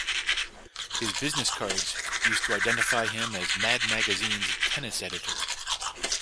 His business cards used to identify him as Mad Magazine's Tennis Editor.